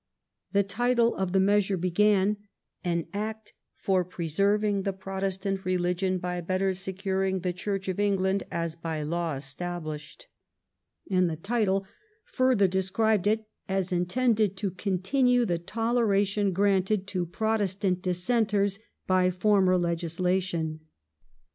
The title of the measure began: 'An Act for Preserving the Pro testant Eeligion by better securing the Church of England as by law established,' and the title further described it as intended to continue the toleration granted to Protestant dissenters by former legislation.